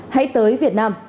hãy tới việt nam